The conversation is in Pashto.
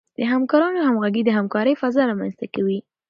د همکارانو همغږي د همکارۍ فضا رامنځته کوي.